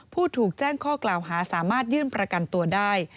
ผู้ถูกแจ้งข้อกล่าวหาสามารถยื่นประกันตัวได้